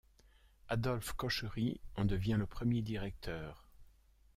Adolphe Cochery en devient le premier directeur.